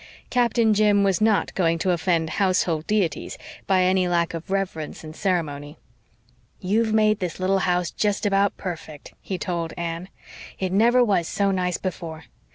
Captain Jim was not going to offend household deities by any lack of reverence and ceremony. "You've made this little house just about perfect," he told Anne. "It never was so nice before.